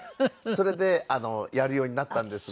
それでやるようになったんですが。